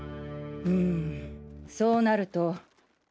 うんそうなると。